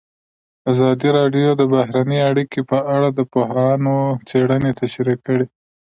ازادي راډیو د بهرنۍ اړیکې په اړه د پوهانو څېړنې تشریح کړې.